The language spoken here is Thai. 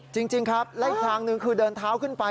จริงครับและอีกทางหนึ่งคือเดินเท้าขึ้นไป